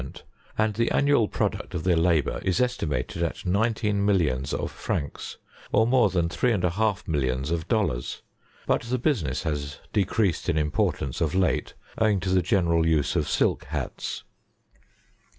ment, and the annual product of their labor is estimated at nine teen millions of francs, (or more than three and a half millions of dollars;) but the business has decreased in importance of late, owing to the general use of silk hats.